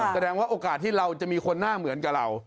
แสดงว่าโอกาสที่เราจะมีคนหน้าเหมือนกับเรา